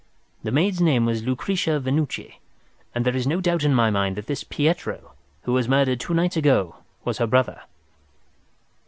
The maid's name was Lucretia Venucci, and there is no doubt in my mind that this Pietro who was murdered two nights ago was the brother.